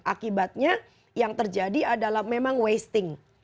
akibatnya yang terjadi adalah memang wasting